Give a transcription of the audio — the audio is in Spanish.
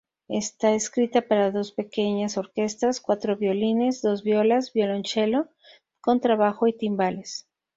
Está escrita para dos pequeñas orquestas, cuatro violines, dos violas, violonchelo, contrabajo y timbales.